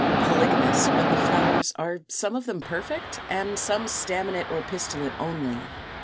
Polygamous, when the flowers are some of them perfect, and some staminate or pistillate only.